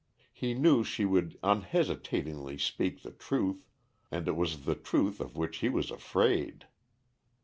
He knew she would unhesitatingly speak the truth, and it was the truth of which he was afraid.